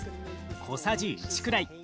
小さじ１くらい。